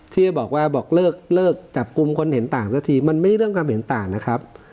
ที่จะบอกว่าบอกเลิกจับกลุ่มคนเห็นต่างสักทีมันไม่ใช่เรื่องความเห็นต่างนะครับ